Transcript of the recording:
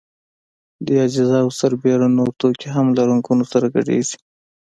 دې اجزاوو سربېره نور توکي هم له رنګونو سره ګډیږي.